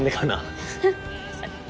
フフフ。